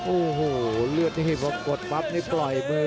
โอ้โหเลือดนี่พอกดปั๊บนี่ปล่อยมือ